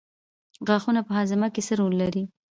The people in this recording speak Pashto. غاښونه په هاضمه کې څه رول لري